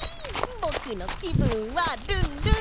ぼくのきぶんはルンルン！